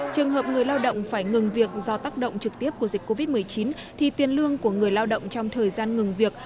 trường hợp người lao động phải ngừng việc do tác động trực tiếp của dịch covid một mươi chín thì tiền lương của người lao động trong thời gian ngừng việc